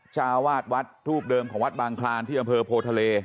ชาวอาวาดรูปเดิมของวัดบางคลานที่อำเภอโพรธาเล